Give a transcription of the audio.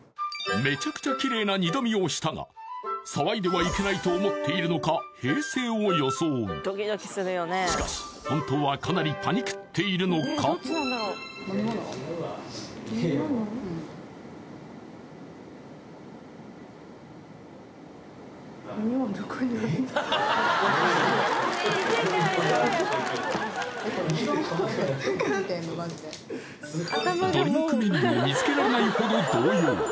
めちゃくちゃきれいな二度見をしたが騒いではいけないと思っているのか平静を装うしかし本当はかなりパニクっているのかドリンクメニューを見つけられないほど動揺